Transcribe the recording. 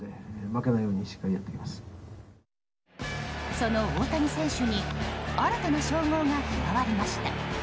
その大谷選手に新たな称号が加わりました。